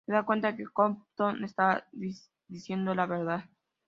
Se da cuenta que Compton estaba diciendo la verdad.